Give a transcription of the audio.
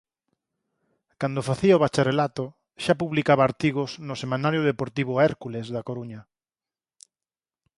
Cando facía o bacharelato xa publicaba artigos no semanario deportivo "Hércules" da Coruña.